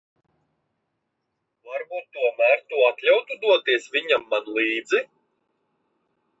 Varbūt tomēr tu atļautu doties viņam man līdz?